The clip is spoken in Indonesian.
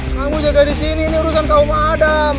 kamu jaga di sini ini urusan kaum adam